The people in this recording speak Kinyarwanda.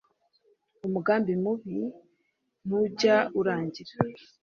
Umugambi mubi ntu jy' urangira